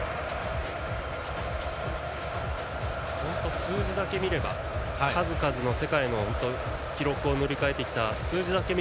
数字だけを見れば数々の世界の記録を塗り替えてきた。